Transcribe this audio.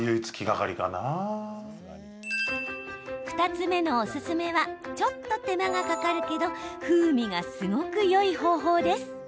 ２つ目のおすすめはちょっと手間がかかるけど風味がすごくいい方法です。